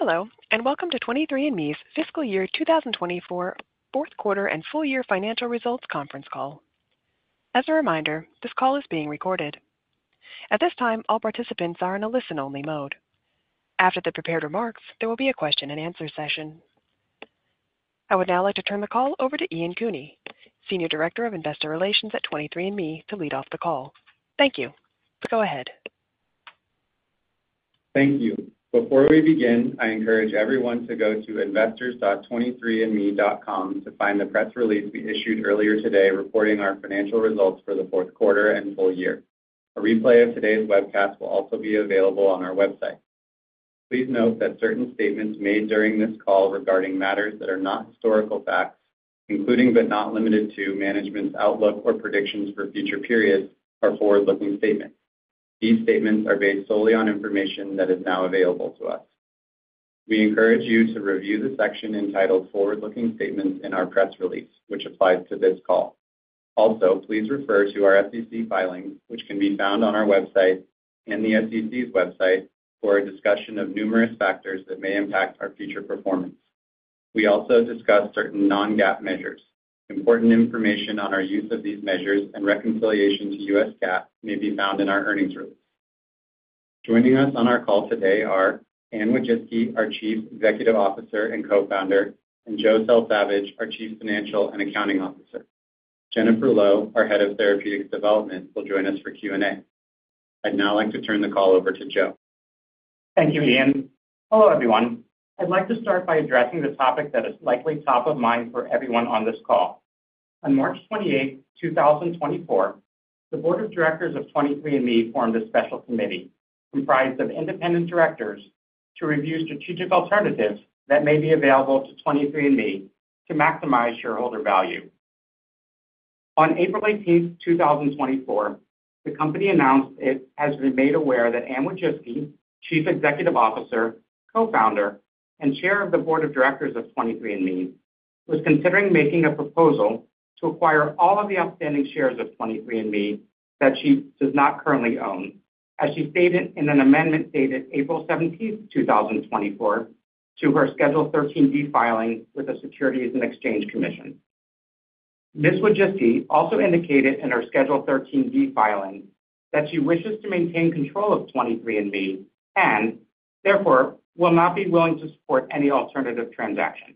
Hello, and welcome to 23andMe's Fiscal Year 2024 Q4 and Full Year Financial Results Conference Call. As a reminder, this call is being recorded. At this time, all participants are in a listen-only mode. After the prepared remarks, there will be a question-and-answer session. I would now like to turn the call over to Ian Cooney, Senior Director of Investor Relations at 23andMe, to lead off the call. Thank you. Go ahead. Thank you. Before we begin, I encourage everyone to go to investors.23andme.com to find the press release we issued earlier today, reporting our financial results for the Q4 and full year. A replay of today's webcast will also be available on our website. Please note that certain statements made during this call regarding matters that are not historical facts, including but not limited to management's outlook or predictions for future periods, are forward-looking statements. These statements are based solely on information that is now available to us. We encourage you to review the section entitled Forward-Looking Statements in our press release, which applies to this call. Also, please refer to our SEC filings, which can be found on our website and the SEC's website, for a discussion of numerous factors that may impact our future performance. We also discuss certain non-GAAP measures. Important information on our use of these measures and reconciliation to U.S. GAAP may be found in our earnings release. Joining us on our call today are Anne Wojcicki, our Chief Executive Officer and Co-founder, and Joe Selsavage, our Chief Financial and Accounting Officer. Jennifer Low, our Head of Therapeutics Development, will join us for Q&A. I'd now like to turn the call over to Joe. Thank you, Ian. Hello, everyone. I'd like to start by addressing the topic that is likely top of mind for everyone on this call. On March 28, 2024, the Board of Directors of 23andMe formed a special committee, comprised of independent directors, to review strategic alternatives that may be available to 23andMe to maximize shareholder value. On April 18, 2024, the company announced it has been made aware that Anne Wojcicki, Chief Executive Officer, Co-founder, and Chair of the Board of Directors of 23andMe, was considering making a proposal to acquire all of the outstanding shares of 23andMe that she does not currently own, as she stated in an amendment dated April 17, 2024, to her Schedule 13D filing with the Securities and Exchange Commission. Ms. Wojcicki also indicated in her Schedule 13D filing that she wishes to maintain control of 23andMe, and therefore, will not be willing to support any alternative transaction.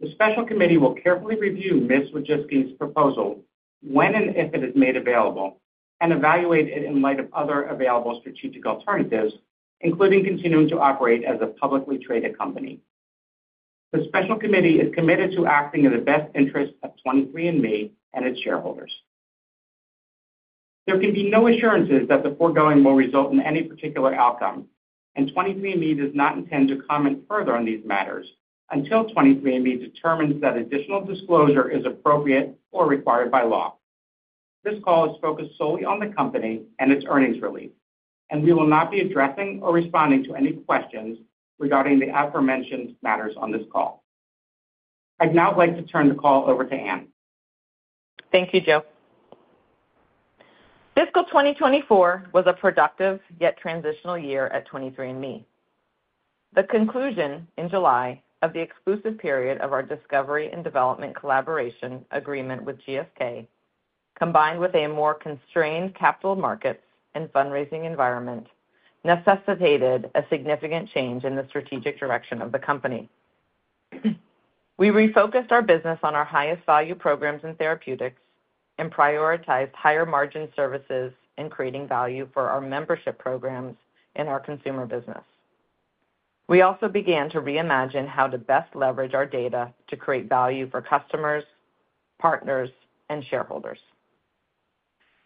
The special committee will carefully review Ms. Wojcicki's proposal when and if it is made available, and evaluate it in light of other available strategic alternatives, including continuing to operate as a publicly traded company. The special committee is committed to acting in the best interest of 23andMe and its shareholders. There can be no assurances that the foregoing will result in any particular outcome, and 23andMe does not intend to comment further on these matters until 23andMe determines that additional disclosure is appropriate or required by law. This call is focused solely on the company and its earnings release, and we will not be addressing or responding to any questions regarding the aforementioned matters on this call. I'd now like to turn the call over to Anne. Thank you, Joe. Fiscal 2024 was a productive, yet transitional year at 23andMe. The conclusion in July of the exclusive period of our discovery and development collaboration agreement with GSK, combined with a more constrained capital markets and fundraising environment, necessitated a significant change in the strategic direction of the company. We refocused our business on our highest value programs in therapeutics and prioritized higher-margin services in creating value for our membership programs in our consumer business. We also began to reimagine how to best leverage our data to create value for customers, partners, and shareholders.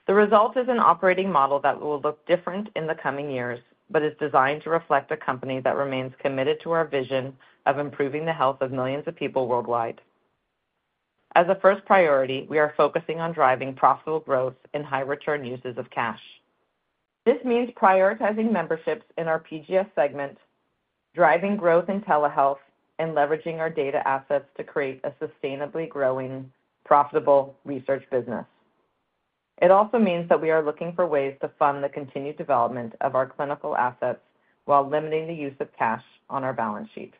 The result is an operating model that will look different in the coming years, but is designed to reflect a company that remains committed to our vision of improving the health of millions of people worldwide. As a first priority, we are focusing on driving profitable growth and high return uses of cash. This means prioritizing memberships in our PGS segment, driving growth in telehealth, and leveraging our data assets to create a sustainably growing, profitable research business. It also means that we are looking for ways to fund the continued development of our clinical assets while limiting the use of cash on our balance sheet.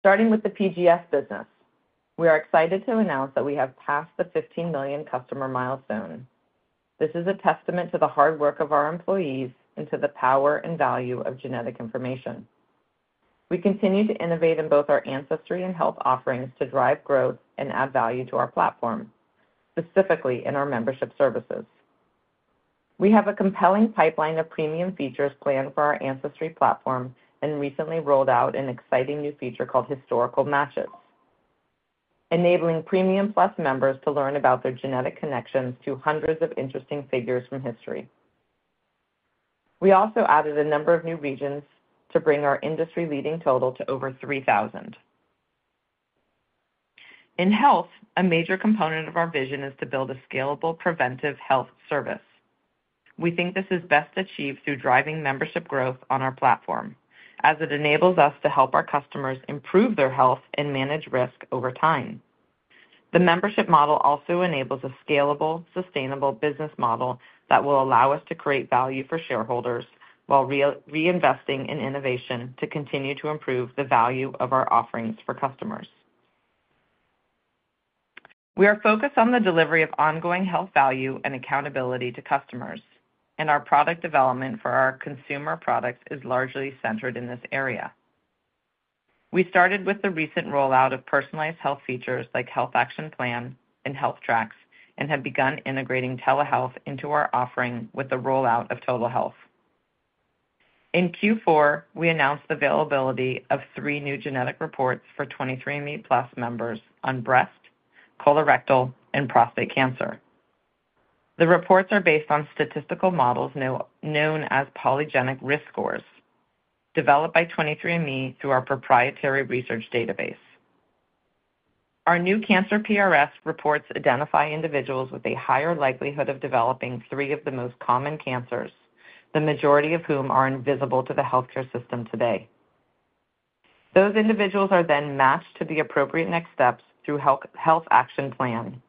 Starting with the PGS business, we are excited to announce that we have passed the 15 million customer milestone. This is a testament to the hard work of our employees and to the power and value of genetic information. We continue to innovate in both our ancestry and health offerings to drive growth and add value to our platform, specifically in our membership services. We have a compelling pipeline of premium features planned for our ancestry platform and recently rolled out an exciting new feature called Historical Matches, enabling Premium Plus members to learn about their genetic connections to hundreds of interesting figures from history. We also added a number of new regions to bring our industry-leading total to over 3,000. In health, a major component of our vision is to build a scalable preventive health service. We think this is best achieved through driving membership growth on our platform, as it enables us to help our customers improve their health and manage risk over time. The membership model also enables a scalable, sustainable business model that will allow us to create value for shareholders while reinvesting in innovation to continue to improve the value of our offerings for customers. We are focused on the delivery of ongoing health value and accountability to customers, and our product development for our consumer products is largely centered in this area. We started with the recent rollout of personalized health features like Health Action Plan and Health Tracks, and have begun integrating telehealth into our offering with the rollout of Total Health. In Q4, we announced the availability of three new genetic reports for 23andMe+ members on breast, colorectal, and prostate cancer. The reports are based on statistical models known as polygenic risk scores, developed by 23andMe through our proprietary research database. Our new cancer PRS reports identify individuals with a higher likelihood of developing three of the most common cancers, the majority of whom are invisible to the healthcare system today. Those individuals are then matched to the appropriate next steps through Health, Health Action Plan.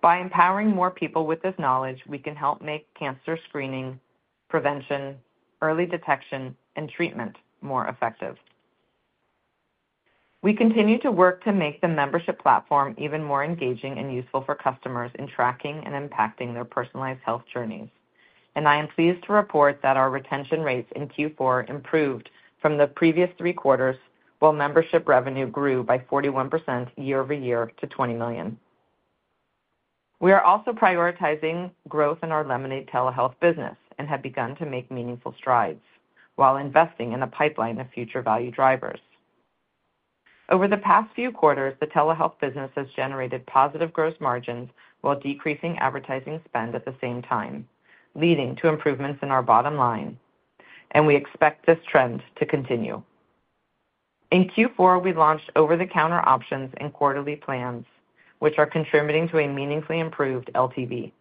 By empowering more people with this knowledge, we can help make cancer screening, prevention, early detection, and treatment more effective. We continue to work to make the membership platform even more engaging and useful for customers in tracking and impacting their personalized health journeys, and I am pleased to report that our retention rates in Q4 improved from the previous three quarters, while membership revenue grew by 41% year-over-year to $20 million. We are also prioritizing growth in our Lemonaid Health business and have begun to make meaningful strides while investing in a pipeline of future value drivers. Over the past few quarters, the telehealth business has generated positive gross margins, while decreasing advertising spend at the same time, leading to improvements in our bottom line, and we expect this trend to continue. In Q4, we launched over-the-counter options and quarterly plans, which are contributing to a meaningfully improved LTV.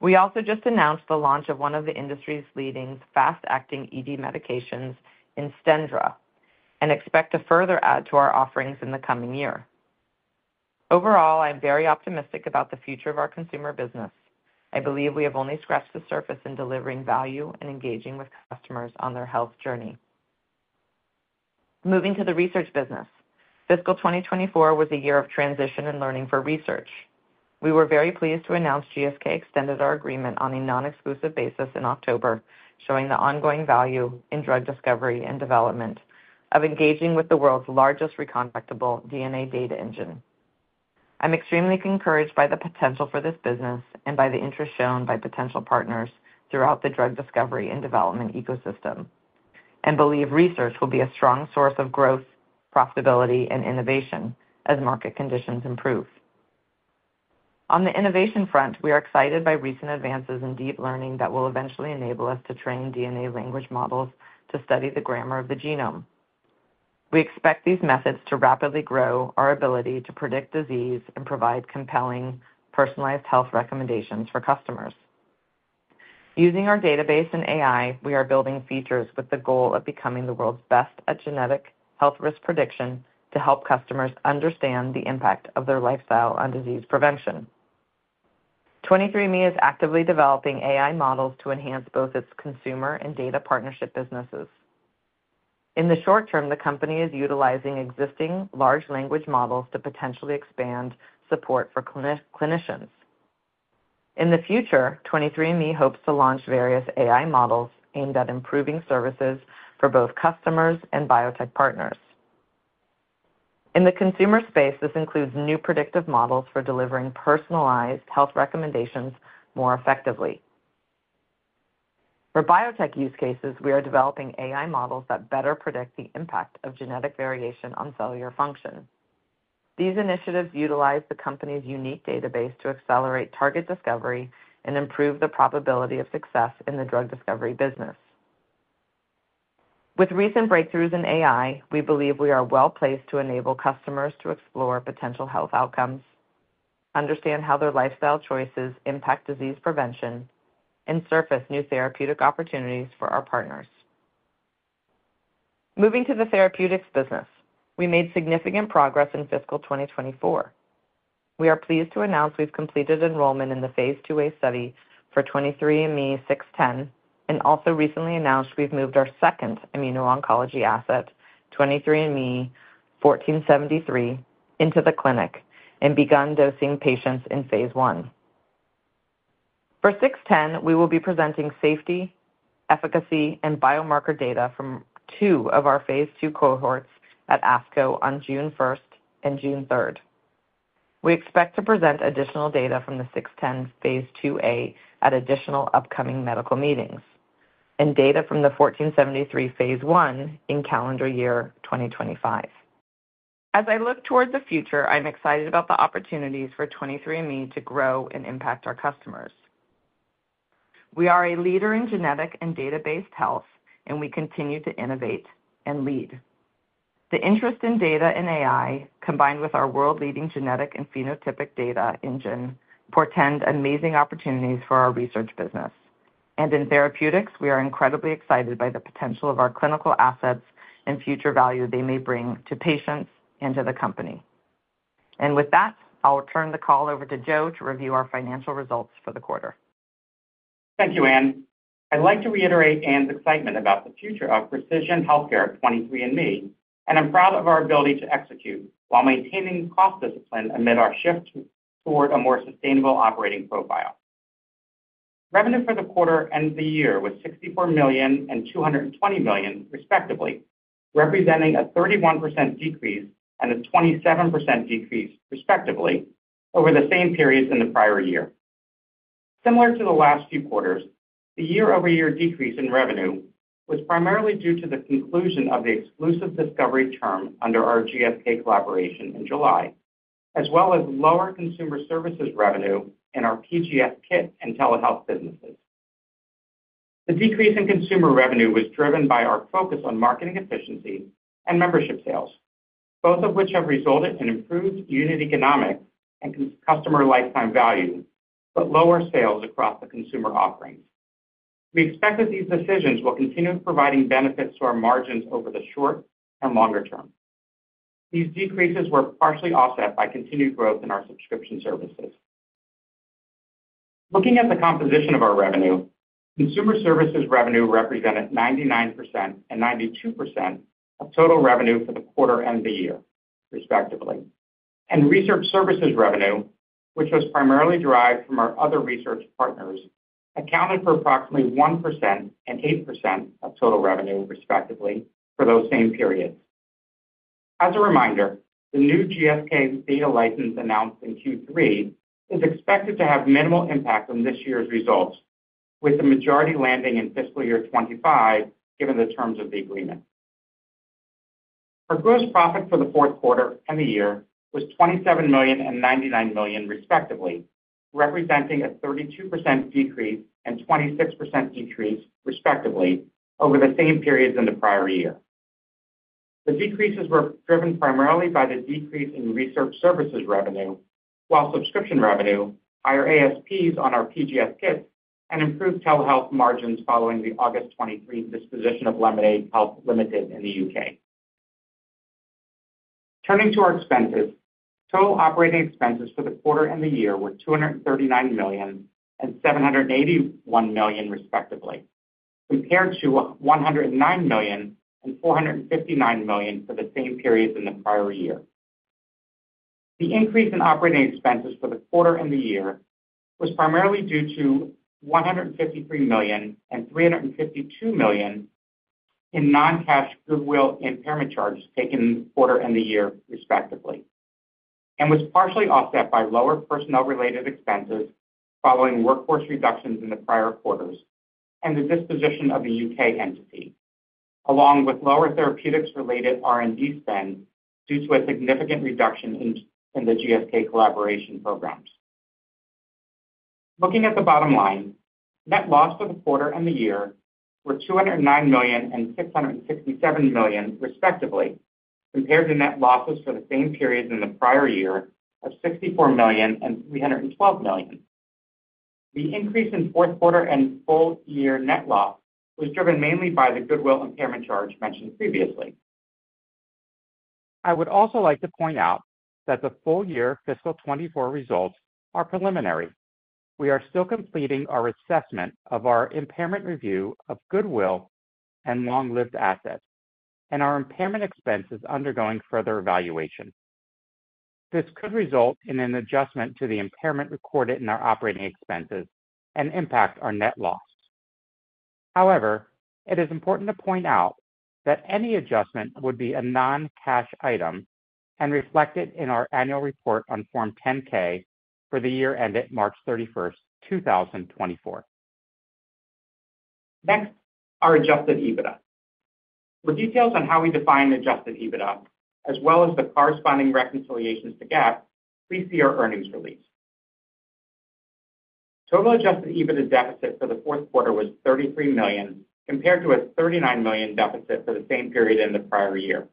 We also just announced the launch of one of the industry's leading fast-acting ED medications in Stendra, and expect to further add to our offerings in the coming year. Overall, I'm very optimistic about the future of our consumer business. I believe we have only scratched the surface in delivering value and engaging with customers on their health journey. Moving to the research business, fiscal 2024 was a year of transition and learning for research. We were very pleased to announce GSK extended our agreement on a non-exclusive basis in October, showing the ongoing value in drug discovery and development, of engaging with the world's largest recontactable DNA data engine. I'm extremely encouraged by the potential for this business and by the interest shown by potential partners throughout the drug discovery and development ecosystem, and believe research will be a strong source of growth, profitability, and innovation as market conditions improve. On the innovation front, we are excited by recent advances in deep learning that will eventually enable us to train DNA language models to study the grammar of the genome. We expect these methods to rapidly grow our ability to predict disease and provide compelling personalized health recommendations for customers. Using our database and AI, we are building features with the goal of becoming the world's best at genetic health risk prediction to help customers understand the impact of their lifestyle on disease prevention. 23andMe is actively developing AI models to enhance both its consumer and data partnership businesses. In the short term, the company is utilizing existing large language models to potentially expand support for clinicians. In the future, 23andMe hopes to launch various AI models aimed at improving services for both customers and biotech partners. In the consumer space, this includes new predictive models for delivering personalized health recommendations more effectively. For biotech use cases, we are developing AI models that better predict the impact of genetic variation on cellular function. These initiatives utilize the company's unique database to accelerate target discovery and improve the probability of success in the drug discovery business. With recent breakthroughs in AI, we believe we are well-placed to enable customers to explore potential health outcomes, understand how their lifestyle choices impact disease prevention, and surface new therapeutic opportunities for our partners. Moving to the therapeutics business, we made significant progress in fiscal 2024. We are pleased to announce we've completed enrollment in the phase II-A study for 23ME-00610, and also recently announced we've moved our second immuno-oncology asset, 23ME-01473, into the clinic and begun dosing patients in phase I. For 23ME-00610, we will be presenting safety, efficacy, and biomarker data from two of our phase II cohorts at ASCO on June 1st and June 3rd. We expect to present additional data from the 23ME-00610 phase II-A at additional upcoming medical meetings, and data from the 23ME-01473 phase I in calendar year 2025. As I look toward the future, I'm excited about the opportunities for 23andMe to grow and impact our customers. We are a leader in genetic and data-based health, and we continue to innovate and lead. The interest in data and AI, combined with our world-leading genetic and phenotypic data engine, portend amazing opportunities for our research business. In therapeutics, we are incredibly excited by the potential of our clinical assets and future value they may bring to patients and to the company. With that, I'll turn the call over to Joe to review our financial results for the quarter. Thank you, Anne. I'd like to reiterate Anne's excitement about the future of precision healthcare at 23andMe, and I'm proud of our ability to execute while maintaining cost discipline amid our shift toward a more sustainable operating profile. Revenue for the quarter and the year was $64 million and $220 million, respectively, representing a 31% decrease and a 27% decrease, respectively, over the same periods in the prior year. Similar to the last few quarters, the year-over-year decrease in revenue was primarily due to the conclusion of the exclusive discovery term under our GSK collaboration in July, as well as lower consumer services revenue in our PGS kit and telehealth businesses. The decrease in consumer revenue was driven by our focus on marketing efficiency and membership sales, both of which have resulted in improved unit economics and customer lifetime value, but lower sales across the consumer offerings. We expect that these decisions will continue providing benefits to our margins over the short and longer term. These decreases were partially offset by continued growth in our subscription services. Looking at the composition of our revenue, consumer services revenue represented 99% and 92% of total revenue for the quarter and the year, respectively. Research services revenue, which was primarily derived from our other research partners, accounted for approximately 1% and 8% of total revenue, respectively, for those same periods. As a reminder, the new GSK data license announced in Q3 is expected to have minimal impact on this year's results, with the majority landing in fiscal year 2025, given the terms of the agreement. Our gross profit for the Q4 and the year was $27 million and $99 million, respectively, representing a 32% decrease and 26% decrease, respectively, over the same periods in the prior year. The decreases were driven primarily by the decrease in research services revenue, while subscription revenue, higher ASPs on our PGS kits, and improved telehealth margins following the August 2023 disposition of Lemonaid Health Limited in the U.K. Turning to our expenses, total operating expenses for the quarter and the year were $239 million and $781 million, respectively, compared to $109 million and $459 million for the same periods in the prior year. The increase in operating expenses for the quarter and the year was primarily due to $153 million and $352 million in non-cash goodwill impairment charges taken in the quarter and the year, respectively, and was partially offset by lower personnel-related expenses following workforce reductions in the prior quarters and the disposition of the U.K. entity, along with lower therapeutics-related R&D spend due to a significant reduction in the GSK collaboration programs. Looking at the bottom line, net loss for the quarter and the year were $209 million and $667 million, respectively, compared to net losses for the same periods in the prior year of $64 million and $312 million. The increase in Q4 and full-year net loss was driven mainly by the goodwill impairment charge mentioned previously. I would also like to point out that the full year fiscal 2024 results are preliminary. We are still completing our assessment of our impairment review of goodwill and long-lived assets, and our impairment expense is undergoing further evaluation. This could result in an adjustment to the impairment recorded in our operating expenses and impact our net loss. However, it is important to point out that any adjustment would be a non-cash item and reflected in our annual report on Form 10-K for the year ended March 31, 2024. Next, our adjusted EBITDA. For details on how we define adjusted EBITDA, as well as the corresponding reconciliations to GAAP, please see our earnings release. Total adjusted EBITDA deficit for the Q4 was $33 million, compared to a $39 million deficit for the same period in the prior year.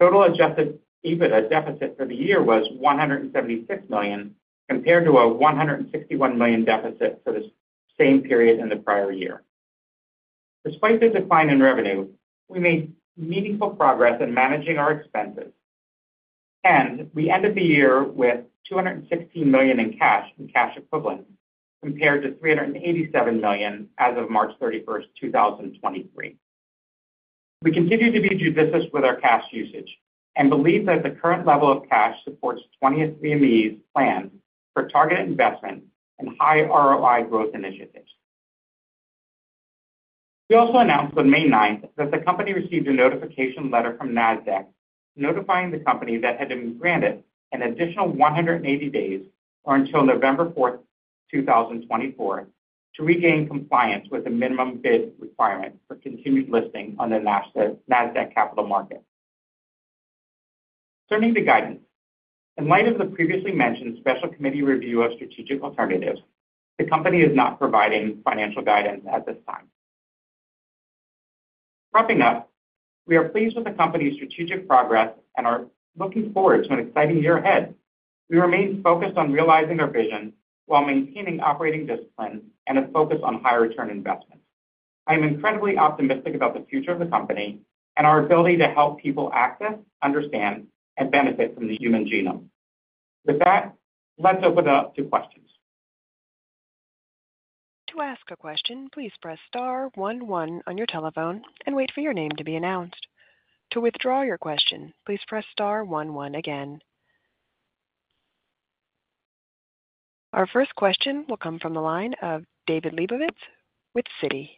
Total adjusted EBITDA deficit for the year was $176 million, compared to a $161 million deficit for the same period in the prior year. Despite the decline in revenue, we made meaningful progress in managing our expenses, and we ended the year with $216 million in cash and cash equivalents, compared to $387 million as of March 31, 2023. We continue to be judicious with our cash usage and believe that the current level of cash supports 23andMe's plans for targeted investment and high ROI growth initiatives. We also announced on May 9 that the company received a notification letter from NASDAQ, notifying the company that it had been granted an additional 180 days, or until November 4, 2024, to regain compliance with the minimum bid requirement for continued listing on the NASDAQ Capital Market. Turning to guidance. In light of the previously mentioned special committee review of strategic alternatives, the company is not providing financial guidance at this time. Wrapping up, we are pleased with the company's strategic progress and are looking forward to an exciting year ahead. We remain focused on realizing our vision while maintaining operating discipline and a focus on high return investment. I am incredibly optimistic about the future of the company and our ability to help people access, understand, and benefit from the human genome. With that, let's open it up to questions. To ask a question, please press star one one on your telephone and wait for your name to be announced. To withdraw your question, please press star one one again. Our first question will come from the line of David Lebowitz with Citi.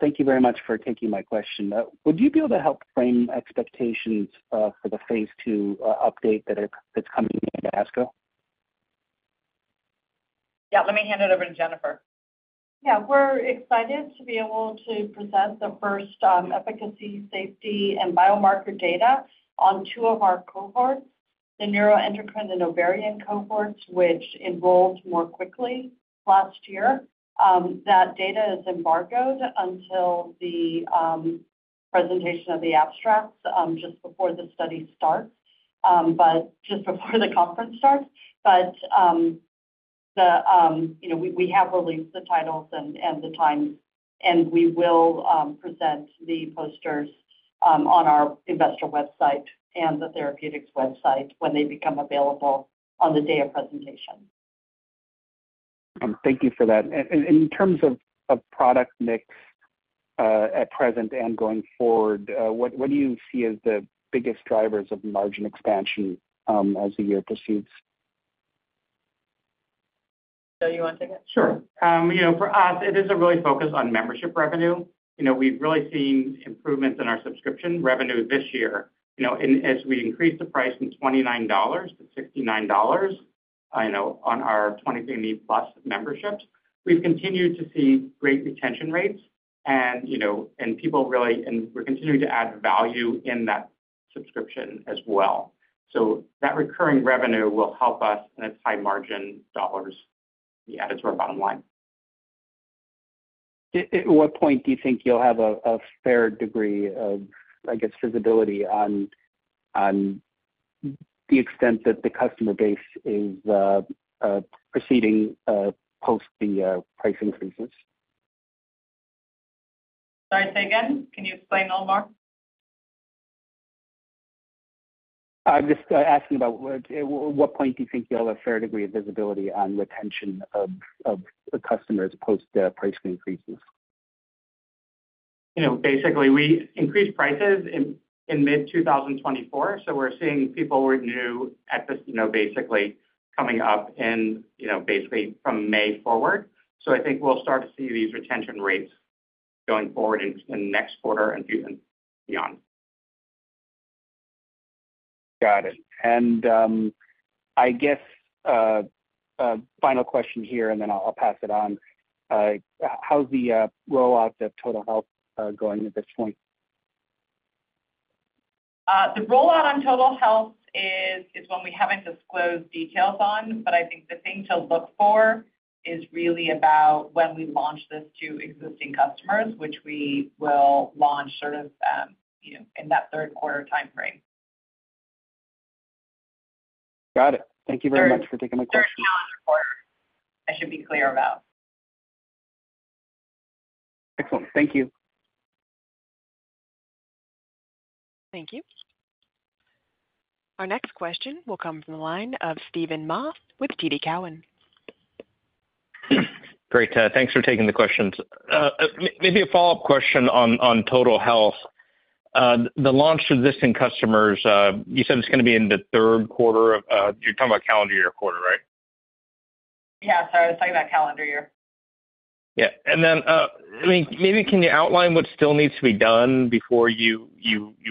Thank you very much for taking my question. Would you be able to help frame expectations for the phase two update that's coming in ASCO? Yeah, let me hand it over to Jennifer. Yeah, we're excited to be able to present the first efficacy, safety, and biomarker data on two of our cohorts, the neuroendocrine and ovarian cohorts, which enrolled more quickly last year. That data is embargoed until the presentation of the abstracts just before the study starts, but just before the conference starts. But you know, we have released the titles and the times, and we will present the posters on our investor website and the therapeutics website when they become available on the day of presentation. Thank you for that. And in terms of product mix, at present and going forward, what do you see as the biggest drivers of margin expansion, as the year proceeds? You want to take it? Sure. You know, for us, it is a real focus on membership revenue. You know, we've really seen improvements in our subscription revenue this year, you know, and as we increase the price from $29-69, you know, on our 23andMe+ memberships, we've continued to see great retention rates and, you know, and we're continuing to add value in that subscription as well. So that recurring revenue will help us, and it's high margin dollars we add to our bottom line. At what point do you think you'll have a fair degree of, I guess, visibility on the extent that the customer base is proceeding post the price increases? Sorry, say again? Can you explain a little more? I'm just asking about what, what point do you think you'll have a fair degree of visibility on retention of, of the customers post the price increases? You know, basically, we increased prices in mid-2024, so we're seeing people renew at this, you know, basically coming up, you know, basically from May forward. So I think we'll start to see these retention rates going forward in the next quarter and even beyond. Got it. And, I guess, final question here, and then I'll pass it on. How's the rollout of Total Health going at this point? The rollout on Total Health is one we haven't disclosed details on, but I think the thing to look for is really about when we launch this to existing customers, which we will launch sort of, you know, in that Q3 timeframe. Got it. Thank you very much for taking my question. Third calendar quarter, I should be clear about. Excellent. Thank you. Thank you. Our next question will come from the line of Steven Mah with TD Cowen. Great, thanks for taking the questions. Maybe a follow-up question on Total Health. The launch for existing customers, you said it's gonna be in the Q3 of—you're talking about calendar year quarter, right? Yeah, sorry, I was talking about calendar year. Yeah. And then, I mean, maybe can you outline what still needs to be done before you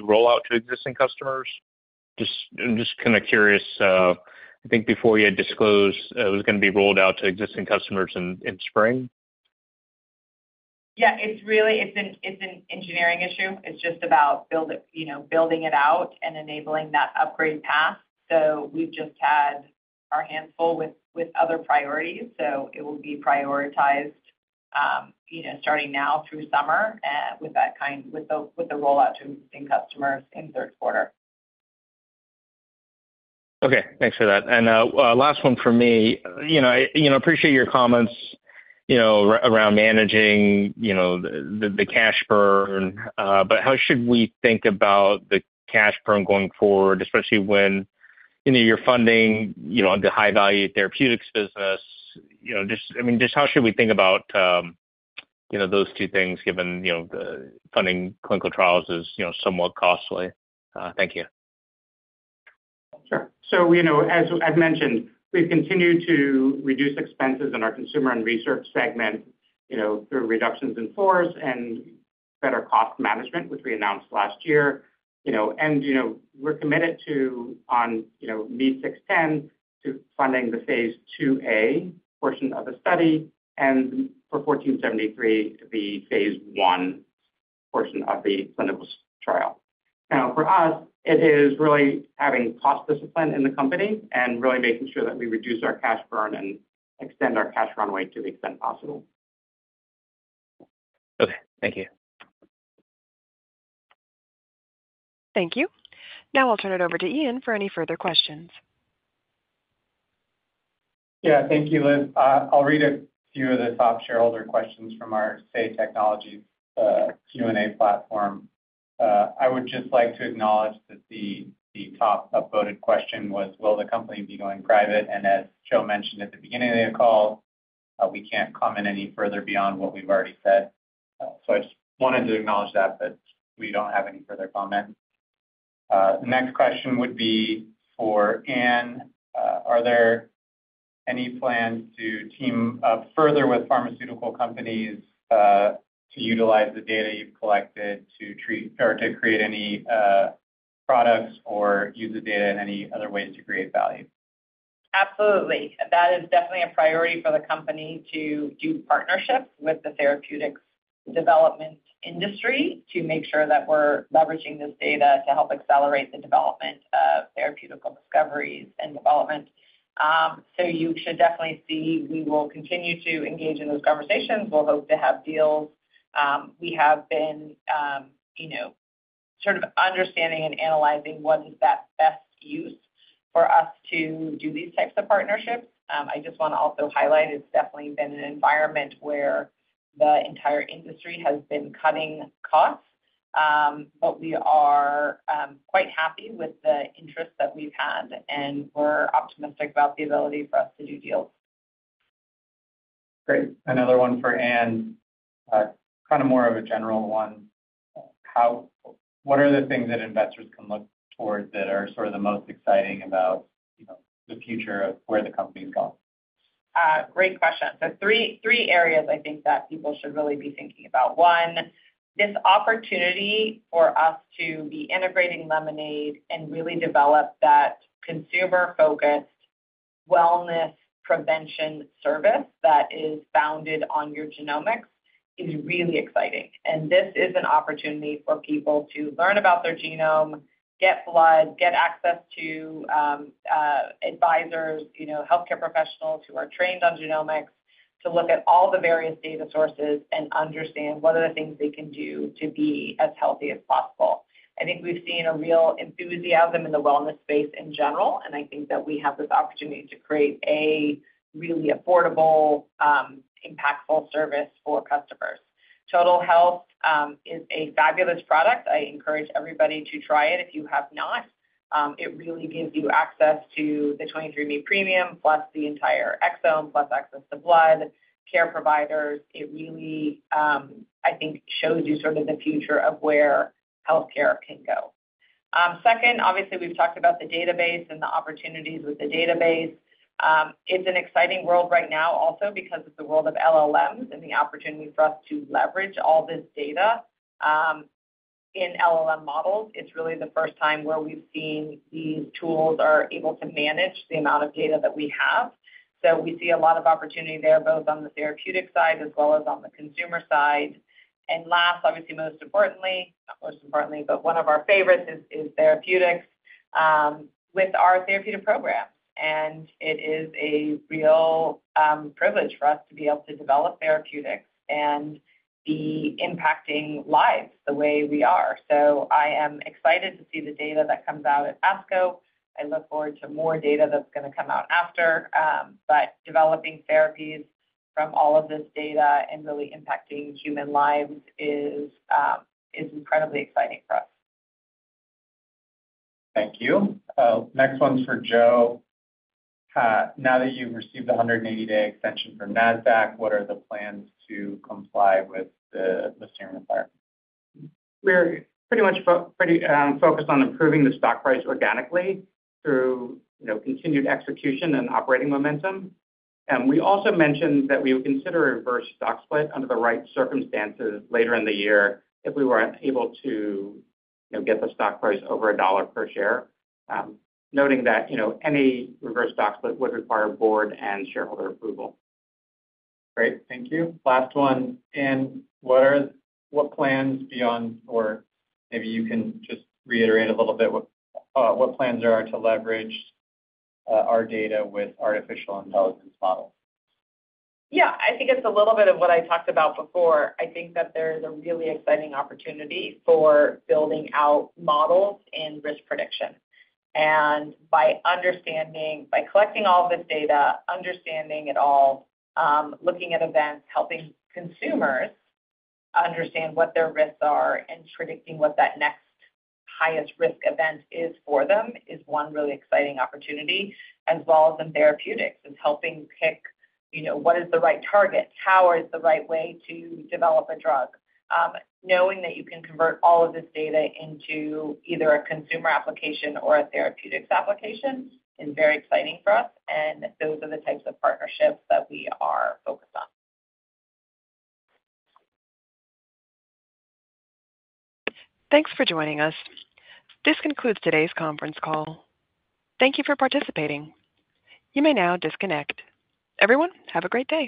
roll out to existing customers? Just, I'm just kind of curious, I think before you had disclosed, it was gonna be rolled out to existing customers in spring. Yeah, it's really an engineering issue. It's just about building it out and enabling that upgrade path, you know. So we've just had our hands full with other priorities. So it will be prioritized, you know, starting now through summer, with the rollout to existing customers in Q3. Okay, thanks for that. And last one for me. You know, I appreciate your comments around managing the cash burn, but how should we think about the cash burn going forward, especially when you're funding the high-value therapeutics business? You know, just, I mean, just how should we think about those two things, given you know the funding clinical trials is you know somewhat costly? Thank you. Sure. So, you know, as I've mentioned, we've continued to reduce expenses in our consumer and research segment, you know, through reductions in force and better cost management, which we announced last year. You know, and, you know, we're committed to on, you know, 23ME-00610, to funding the phase II-A portion of the study, and for 23ME-01473, the phase I portion of the clinical trial. Now, for us, it is really having cost discipline in the company and really making sure that we reduce our cash burn and extend our cash runway to the extent possible. Okay, thank you. Thank you. Now I'll turn it over to Ian for any further questions. Yeah, thank you, Liz. I'll read a few of the top shareholder questions from our Say Technologies Q&A platform. I would just like to acknowledge that the top upvoted question was, will the company be going private? And as Joe mentioned at the beginning of the call, we can't comment any further beyond what we've already said. So, I just wanted to acknowledge that, but we don't have any further comment. The next question would be for Anne. Are there any plans to team up further with pharmaceutical companies to utilize the data you've collected to treat or to create any products or use the data in any other ways to create value? Absolutely. That is definitely a priority for the company to do partnerships with the therapeutics development industry, to make sure that we're leveraging this data to help accelerate the development of therapeutic discoveries and development. So you should definitely see, we will continue to engage in those conversations. We'll hope to have deals. We have been, you know, sort of understanding and analyzing what is that best use for us to do these types of partnerships. I just wanna also highlight, it's definitely been an environment where the entire industry has been cutting costs. But we are, quite happy with the interest that we've had, and we're optimistic about the ability for us to do deals. Great. Another one for Anne. Kind of more of a general one: What are the things that investors can look towards that are sort of the most exciting about, you know, the future of where the company is going? Great question. So three areas I think that people should really be thinking about. One, this opportunity for us to be integrating Lemonaid Health and really develop that consumer-focused wellness prevention service that is founded on your genomics is really exciting. And this is an opportunity for people to learn about their genome, get blood, get access to advisors, you know, healthcare professionals who are trained on genomics, to look at all the various data sources and understand what are the things they can do to be as healthy as possible. I think we've seen a real enthusiasm in the wellness space in general, and I think that we have this opportunity to create a really affordable, impactful service for customers. Total Health is a fabulous product. I encourage everybody to try it if you have not. It really gives you access to the 23andMe Premium, plus the entire exome, plus access to plan, care providers. It really, I think, shows you sort of the future of where healthcare can go. Second, obviously, we've talked about the database and the opportunities with the database. It's an exciting world right now also because it's the world of LLMs and the opportunity for us to leverage all this data in LLM models. It's really the first time where we've seen these tools are able to manage the amount of data that we have. So, we see a lot of opportunity there, both on the therapeutic side as well as on the consumer side. And last, obviously, most importantly, not most importantly, but one of our favorites is, is therapeutics with our therapeutic program. It is a real privilege for us to be able to develop therapeutics and be impacting lives the way we are. I am excited to see the data that comes out at ASCO. I look forward to more data that's gonna come out after. But developing therapies from all of this data and really impacting human lives is incredibly exciting for us. Thank you. Next one's for Joe. Now that you've received the 180-day extension from NASDAQ, what are the plans to comply with the listing requirement? We're pretty much focused on improving the stock price organically through, you know, continued execution and operating momentum. And we also mentioned that we would consider a reverse stock split under the right circumstances later in the year if we were able to, you know, get the stock price over $1 per share. Noting that, you know, any reverse stock split would require board and shareholder approval. Great. Thank you. Last one. Anne, what are, what plans beyond or maybe you can just reiterate a little bit, what, what plans there are to leverage, our data with artificial intelligence models? Yeah, I think it's a little bit of what I talked about before. I think that there is a really exciting opportunity for building out models in risk prediction. And by understanding, by collecting all this data, understanding it all, looking at events, helping consumers understand what their risks are and predicting what that next highest risk event is for them, is one really exciting opportunity, as well as in therapeutics, is helping pick, you know, what is the right target? How is the right way to develop a drug? Knowing that you can convert all of this data into either a consumer application or a therapeutics application is very exciting for us, and those are the types of partnerships that we are focused on. Thanks for joining us. This concludes today's conference call. Thank you for participating. You may now disconnect. Everyone, have a great day.